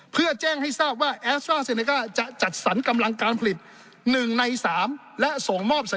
เพื่อแจ้งให้ทราบว่าแอสตราเซเนก้าจะจัดสรรกำลังการผลิต๑ใน๓และส่งมอบ